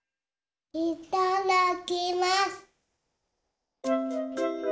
いただきます！